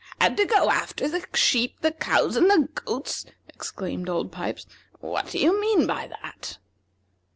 "Had to go after the cows, the sheep, and the goats!" exclaimed Old Pipes. "What do you mean by that?"